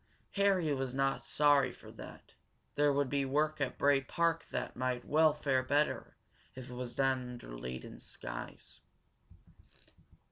Harry was not sorry for that. There would be work at Bray Park that might well fare better were it done under leaden skies.